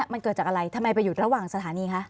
มันเกิดจากอะไรทำไมไปหยุดระหว่างสถานีคะ